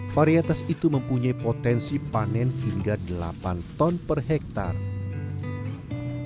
varietas itu mempunyai potensi panen hingga delapan ton per hektare